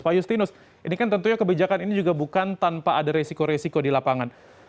pak justinus ini kan tentunya kebijakan ini juga bukan tanpa ada resiko resiko di lapangan